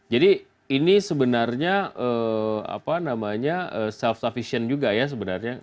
jadi ini sebenarnya apa namanya self sufficient juga ya sebenarnya